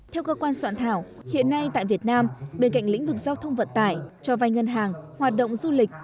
theo cơ quan soạn thảo hiện nay tại việt nam bên cạnh lĩnh vực giao thông vận tải cho vai ngân hàng hoạt động du lịch